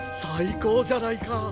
最高じゃないか！